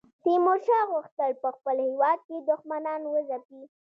تیمورشاه غوښتل په خپل هیواد کې دښمنان وځپي.